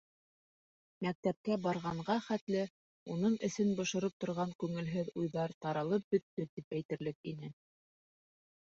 Мәктәпкә барғанға хәтле уның эсен бошороп торған күңелһеҙ уйҙар таралып бөттө тип әйтерлек ине.